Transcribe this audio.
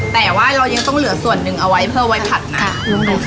แต่ว่าเรายังต้องเหลือส่วนหนึ่งเอาไว้เพื่อไว้ผัดน้ำ